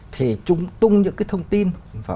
thì chúng tung những cái thông tin